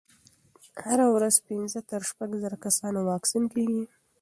هره ورځ پنځه تر شپږ زره کسانو واکسین کېږي.